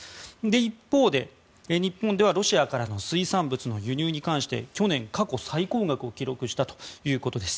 一方で、日本ではロシアからの水産物の輸入に関して去年、過去最高額を記録したということです。